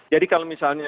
jadi kalau misalnya